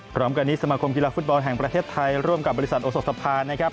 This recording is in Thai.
พร้อมกันนี้สมาคมกีฬาฟุตบอลแห่งประเทศไทยร่วมกับบริษัทโอสดสภานะครับ